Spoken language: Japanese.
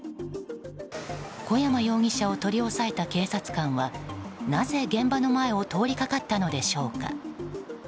小山容疑者を取り押さえた警察官はなぜ現場の前を通りかかったのでしょうか。